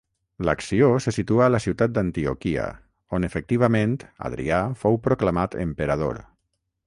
L'acció se situa a la ciutat d'Antioquia, on efectivament Adrià fou proclamat emperador.